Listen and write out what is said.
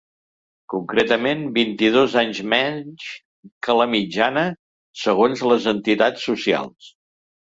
Concretament, vint-i-dos anys menys que la mitjana, segons les entitats socials.